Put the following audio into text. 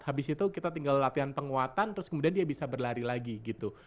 habis itu kita tinggal latihan penguatan terus kemudian dia bisa berlari lagi gitu